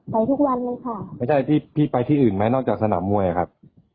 ไปทุกวันเลยค่ะไม่ใช่พี่พี่ไปที่อื่นไหมนอกจากสนามมวยอะครับ